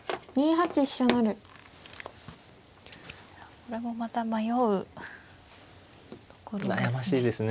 これもまた迷うところですね。